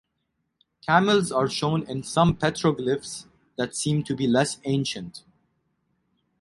Camels are shown in some petroglyphs that seem to be less ancient.